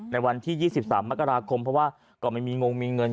ในวันที่๒๓มกราคมเพราะว่าก็ไม่มีงงมีเงิน